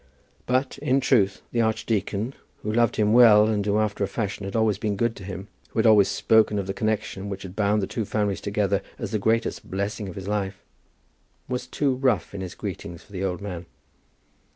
But, in truth, the archdeacon, who loved him well and who, after a fashion, had always been good to him, who had always spoken of the connexion which had bound the two families together as the great blessing of his life, was too rough in his greetings for the old man.